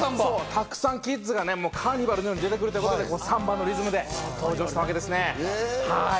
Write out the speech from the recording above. たくさんキッズがカーニバルのように出てくるのでサンバのリズムで登場したわけですね、はい。